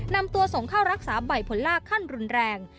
นำตัวส่งเข้ารักษาใบผลลากขั้นรุนแรง